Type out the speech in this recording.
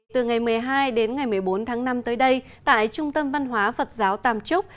từ ngày một mươi hai đến ngày một mươi bốn tháng năm tới đây tại trung tâm văn hóa phật giáo tàm trúc